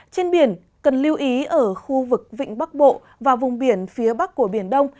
trên biển cần lưu ý ở khu vực vịnh bắc bộ và vùng biển phía bắc của biển đông